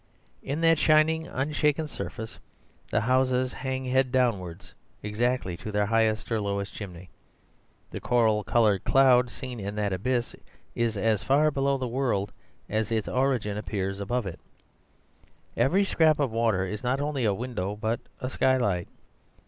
In that shining unshaken surface the houses hang head downwards exactly to their highest or lowest chimney. The coral coloured cloud seen in that abyss is as far below the world as its original appears above it. Every scrap of water is not only a window but a skylight.